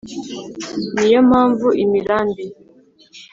ni yo mpamvu imirambi